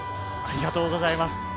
ありがとうございます。